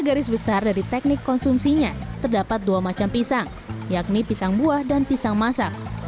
garis besar dari teknik konsumsinya terdapat dua macam pisang yakni pisang buah dan pisang masak